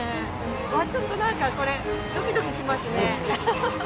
わっちょっと何かこれドキドキしますね。